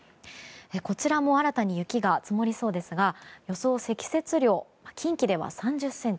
こちらも新たに雪が積もりそうですが予想積雪量、近畿では３０ｃｍ。